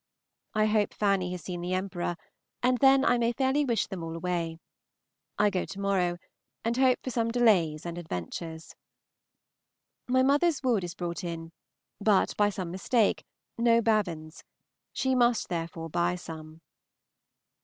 I hope Fanny has seen the Emperor, and then I may fairly wish them all away. I go to morrow, and hope for some delays and adventures. My mother's wood is brought in, but, by some mistake, no bavins. She must therefore buy some.